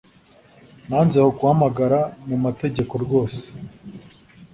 Nanze guhamagara mu mategeko rwose